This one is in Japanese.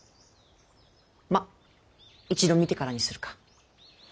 まぁ一度見てからにするか。